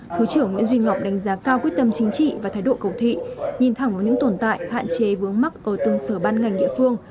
thứ trưởng nguyễn duy ngọc đánh giá cao quyết tâm chính trị và thái độ cầu thị nhìn thẳng vào những tồn tại hạn chế vướng mắc ở từng sở ban ngành địa phương